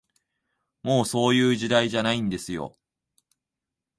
もう、そういう時代じゃないんですよ